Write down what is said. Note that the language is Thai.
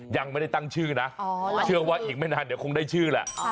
ยังไม่ได้ตั้งชื่อนะเชื่อว่าอีกไม่นานเดี๋ยวคงได้ชื่อแหละ